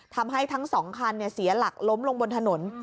ทำให้ทั้งสองคันเสียหลักล้มลงบนถนน